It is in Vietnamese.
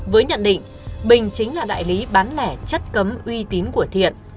với nhận định bình chính là đại lý bán lẻ chất cấm uy tín của thiện